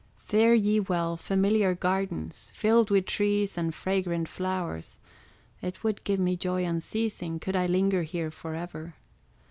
Fare ye well, familiar gardens Filled with trees and fragrant flowers; It would give me joy unceasing, Could I linger here forever.